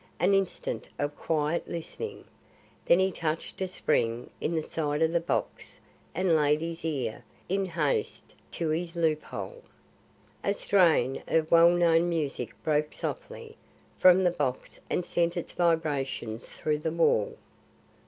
An instant of quiet listening, then he touched a spring in the side of the box and laid his ear, in haste, to his loop hole. A strain of well known music broke softly, from the box and sent its vibrations through the wall.